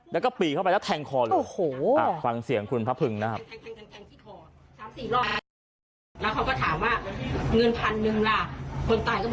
แล้วก็ปีเข้าไปแล้วแทงคอเลยฟังเสียงคุณพระพึงนะครับ